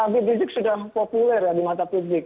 bidik sudah populer ya di mata publik